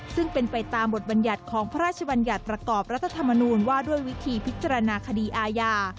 ซึ่งเป็นไปตามบทบรรยัติของพระราชบัญญัติประกอบรัฐธรรมนูญว่าด้วยวิธีพิจารณาคดีอาญา